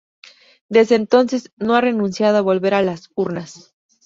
Desde entonces, no ha renunciado a volver a las urnas.